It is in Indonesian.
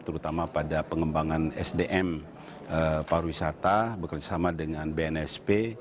terutama pada pengembangan sdm pariwisata bekerjasama dengan bnsp